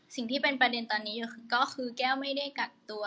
สิ่งที่เป็นประเด็นตอนนี้ก็คือแก้วไม่ได้กักตัว